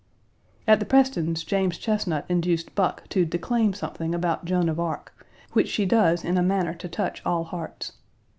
At the Prestons', James Chesnut induced Buck to declaim something about Joan of Arc, which she does in a manner to touch all hearts.